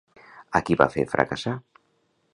A qui va fer fracassar?